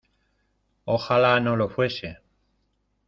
¡ ojalá no lo fuese!